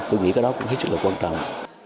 tôi nghĩ cái đó cũng rất là quan trọng